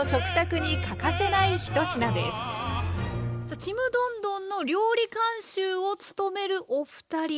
さあ「ちむどんどん」の料理監修を務めるお二人。